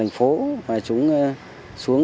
thành phố mà chúng xuống